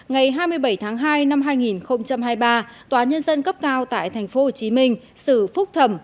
ngày hai mươi bảy tháng hai năm hai nghìn hai mươi ba tòa nhân dân cấp cao tại tp hcm xử phúc thẩm